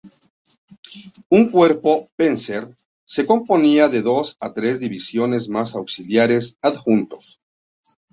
Un cuerpo "Panzer" se componía de dos a tres divisiones más auxiliares adjuntos.